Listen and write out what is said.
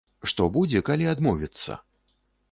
Што будзе, калі адмовіцца?